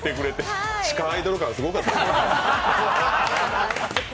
地下アイドル感、ものすごかったですね。